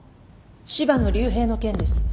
柴野竜平の件です。